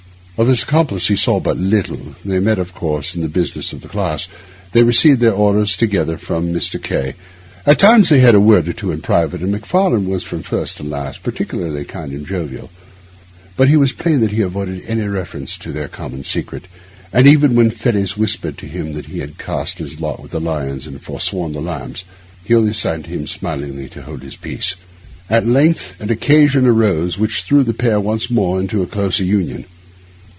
Of his accomplice he saw but little. They met, of course, in the business of the class; they received their orders together from Mr. K—. At times they had a word or two in private, and Macfarlane was from first to last particularly kind and jovial. But it was plain that he avoided any reference to their common secret; and even when Fettes whispered to him that he had cast in his lot with the lions and foresworn the lambs, he only signed to him smilingly to hold his peace. At length an occasion arose which threw the pair once more into a closer union.